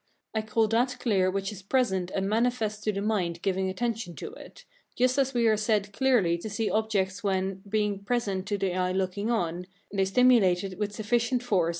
I call that clear which is present and manifest to the mind giving attention to it, just as we are said clearly to see objects when, being present to the eye looking on, they stimulate it with sufficient force.